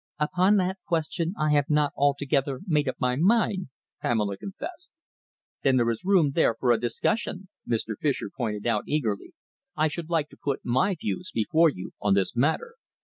"Upon that question I have not altogether made up my mind," Pamela confessed. "Then there is room there for a discussion," Mr. Fischer pointed out eagerly. "I should like to put my views before you on this matter."